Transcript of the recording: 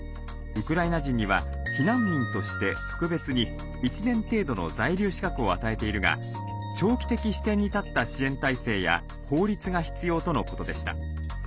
ウクライナ人には避難民として特別に１年程度の在留資格を与えているが長期的視点に立った支援体制や法律が必要とのことでした。